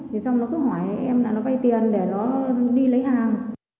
thì xong nó cứ hỏi em là nó vay tiền để nó đi lấy hàng